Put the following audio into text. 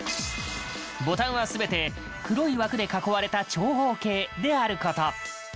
ボタンは全て、黒い枠で囲われた長方形であること。